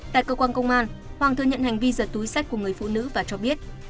tại cơ quan công an hoàng thừa nhận hành vi giật túi sách của người phụ nữ và cho biết